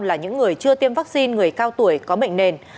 là những người chưa tiêm vaccine người cao tuổi có bệnh nền